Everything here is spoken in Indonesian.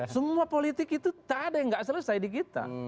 semua politik itu tak ada yang nggak selesai di kita